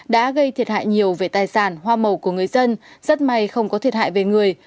đã gây thiệt hại nhiều về tài sản hoa màu của người dân rất may không có thiệt hại về người